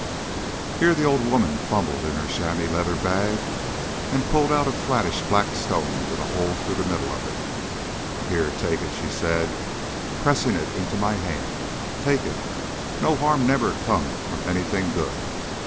Here the old woman fumbled in the chamois leather bag and pulled out a flattish black stone with a hole through the middle of it. "Here, take it," she said, pressing it into my hand; "take it. No harm nebber come from anything good.